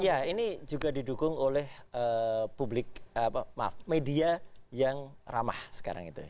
ya ini juga didukung oleh publik maaf media yang ramah sekarang itu